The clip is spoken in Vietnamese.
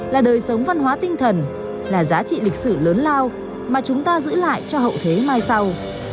là đời sống văn hóa tinh thần là giá trị lịch sử lớn lao mà chúng ta giữ lại cho hậu thế mai sau